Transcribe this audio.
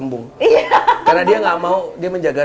mungkin mbak cintia